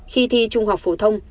khi thi trung học phổ thông